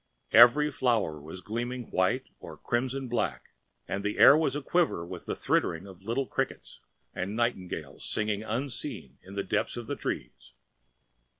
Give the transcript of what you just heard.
Every flower was gleaming white or crimson black, and the air was aquiver with the thridding of small crickets and nightingales singing unseen in the depths of the trees.